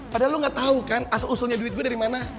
padahal lu gak tau kan asal usulnya duit gue dari mana